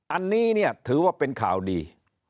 อันนี้ถือว่าเป็นข่าวดี